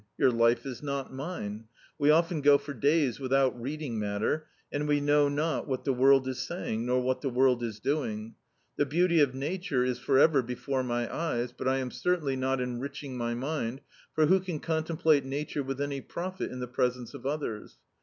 Your life is not mine. We often go for days without reading matter, and we know not what the world is saying; nor what the world is doing. The beauty of nature is for ever before my eyes, but I am cer tainly not enriching my mind, for who can contem plate Nature with any profit in the presence of others.